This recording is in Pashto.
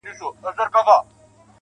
چي په لاسونو كي رڼا وړي څوك.